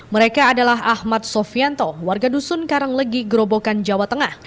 mereka adalah ahmad sofianto warga dusun karanglegi gerobokan jawa tengah